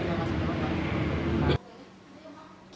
jadi saya gak masuk ke bank